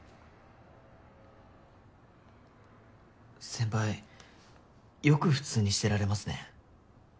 先輩よく普通にしてられますね。